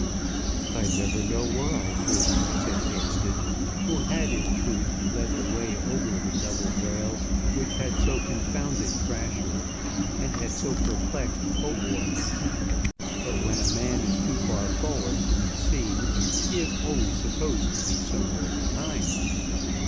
"I never know where I've been," said Hampstead, who had, in truth, led the way over the double rails which had so confounded Crasher and had so perplexed Hautboy. But when a man is too forward to be seen, he is always supposed to be somewhere behind.